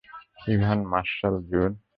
Ivan, Marshall, June?